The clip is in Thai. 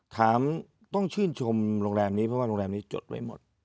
ถามต้องชื่นชมโรงแรมนี้เพราะว่าโรงแรมนี้จดไว้หมด